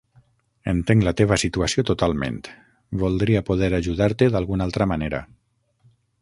Entenc la teva situació totalment, voldria poder ajudar-te d'alguna altra manera.